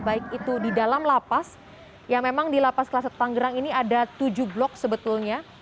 baik itu di dalam lapas yang memang di lapas kelas satu tanggerang ini ada tujuh blok sebetulnya